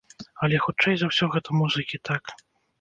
Але хутчэй за ўсё гэта музыкі, так.